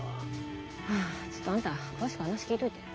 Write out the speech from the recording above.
はぁちょっとあんた詳しく話聞いといて。